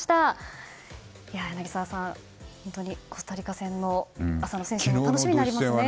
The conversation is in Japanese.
柳澤さん、本当にコスタリカ戦の浅野選手楽しみになりますね。